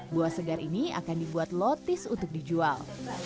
buah segar ini akan dibuat lotis untuk dijual